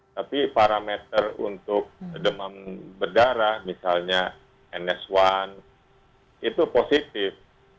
tapi parameter untuk demam berdarah misalnya ns satu itu positif